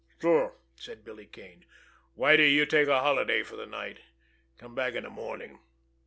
"Sure!" said Billy Kane. "Whitie, you take a holiday for the night. Come back in the morning.